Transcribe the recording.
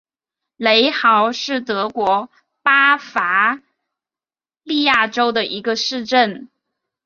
雷豪是德国巴伐利亚州的一个市镇。